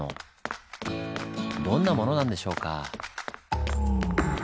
どんなものなんでしょうか。